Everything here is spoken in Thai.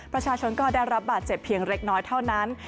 ประชาชนก็ได้รับบาดเจ็บเพียงเล็กน้อยเท่านั้น